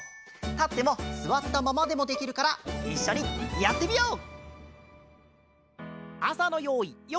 たってもすわったままでもできるからいっしょにやってみよう！